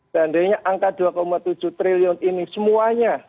seandainya angka dua tujuh triliun ini semuanya